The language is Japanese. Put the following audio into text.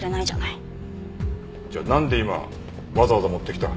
じゃあなんで今わざわざ持ってきた？